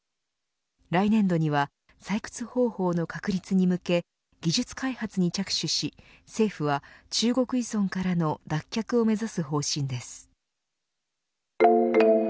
来年度には採掘方法の確立に向け技術開発に着手し政府は中国依存からの脱却を目指す方針です。